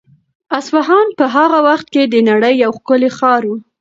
اصفهان په هغه وخت کې د نړۍ یو ښکلی ښار و.